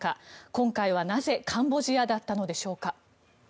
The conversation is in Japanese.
今回はなぜカンボジアだったのでしょうか。